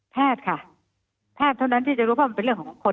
แพทย์ค่ะแพทย์ที่จะรู้ว่าเป็นเรื่องของคน